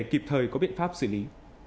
kịp thời có biện pháp xử lý